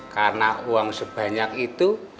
karena uang sebanyak itu